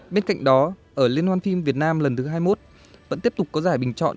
bên cạnh đó ở liên hoan phim việt nam lần thứ hai mươi một vẫn tiếp tục có giải bình chọn